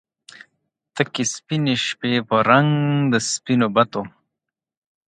تکې سپینې شپې په رنګ د سپینو بتو